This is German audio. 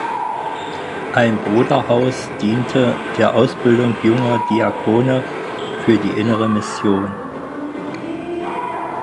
Ein Bruderhaus diente der Ausbildung junger Diakone für die Innere Mission.